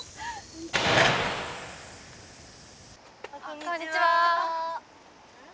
「こんにちは」